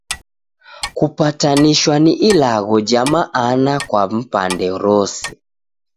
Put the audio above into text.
Kupatanishwa ni ilagho ja mana kwa mpande rose.